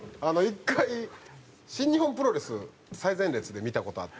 １回新日本プロレス最前列で見た事あって。